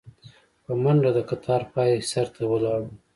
په منډه د کتار پاى سر ته ولاړو.